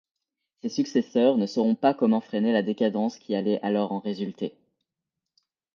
Ses successeurs ne saurons pas comment freiner la décadence qui allait alors en résulter.